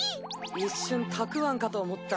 一瞬たくわんかと思った。